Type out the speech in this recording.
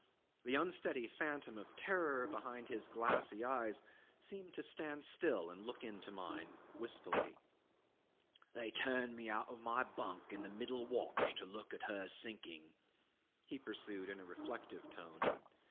The unsteady phantom of terror behind his glassy eyes seemed to stand still and look into mine wistfully. "They turned me out of my bunk in the middle watch to look at her sinking," he pursued in a reflective tone.